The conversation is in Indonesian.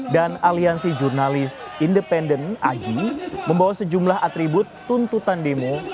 dan aliansi jurnalis independen aji membawa sejumlah atribut tuntutan demo